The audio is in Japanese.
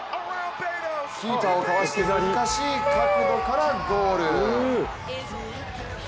キーパーをかわして、難しい角度からゴール。